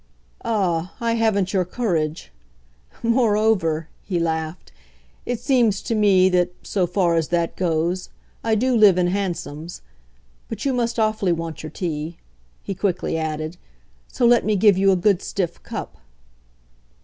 "Ah, I haven't your courage. Moreover," he laughed, "it seems to me that, so far as that goes, I do live in hansoms. But you must awfully want your tea," he quickly added; "so let me give you a good stiff cup."